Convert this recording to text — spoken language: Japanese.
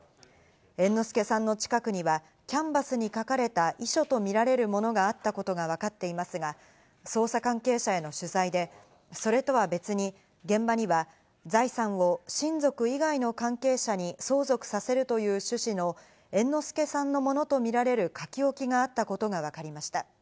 猿之助さんの近くにはキャンバスに書かれた遺書とみられるものがあったことがわかっていますが、捜査関係者への取材でそれとは別に現場には財産を親族以外の関係者に相続させるという趣旨の猿之助さんのものとみられる書き置きがあったことがわかりました。